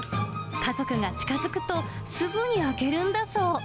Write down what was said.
家族が近づくと、すぐに開けるんだそう。